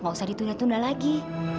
gak usah ditunda tunda lagi